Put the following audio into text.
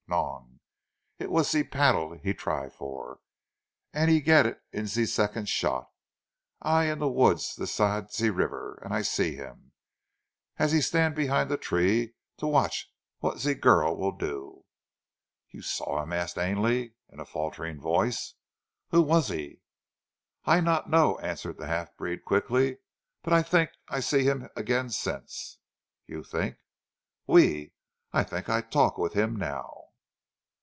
Non! It was zee paddle he try for, an' he get it zee second shot. I in the woods this side zee river an' I see him, as he stand behind a tree to watch what zee girl she will do." "You saw him?" asked Ainley, in a faltering voice. "Who was he?" "I not know," answered the half breed quickly, "but I tink I see heem again since." "You think " "Oui! I tink I talk with heem, now."